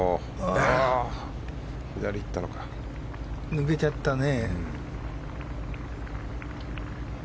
抜けちゃったね。